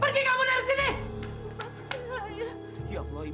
bapak diberi abang a'lai yang akan kuil